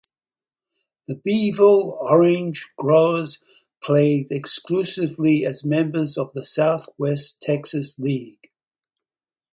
The Beeville Orange Growers played exclusively as members of the Southwest Texas League.